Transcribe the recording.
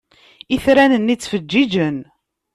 Itran-nni ttfeǧǧiǧen.